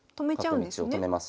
角道を止めます。